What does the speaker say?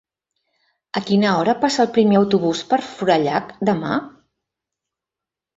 A quina hora passa el primer autobús per Forallac demà?